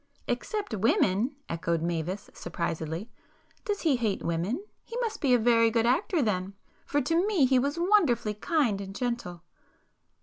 "Except women!" echoed Mavis surprisedly—"Does he hate women? He must be a very good actor then,—for to me he was wonderfully kind and gentle."